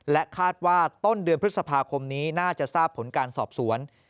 คาดว่าต้นเดือนพฤษภาคมนี้น่าจะทราบผลการสอบสวน